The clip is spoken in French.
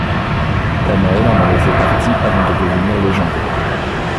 Danaël en avait fait partie avant de devenir Légendaire.